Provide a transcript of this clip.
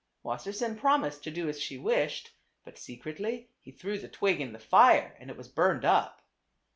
Wassersein promised to do as she wished, but secretly he threw the twig in the fire, and it was burned up.